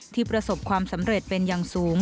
ประสบความสำเร็จเป็นอย่างสูง